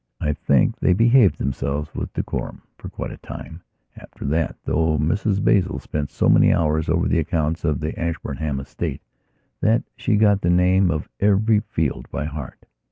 I think they behaved themselves with decorum for quite a time after that, though Mrs Basil spent so many hours over the accounts of the Ashburnham estate that she got the name of every field by heart.